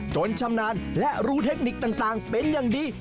ชำนาญและรู้เทคนิคต่างเป็นอย่างดี